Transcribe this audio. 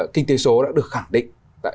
kinh tế số đã được khẳng định tại